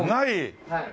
はい。